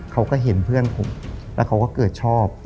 เขาก็เห็นเพื่อนผมแล้วเขาก็เกิดชอบ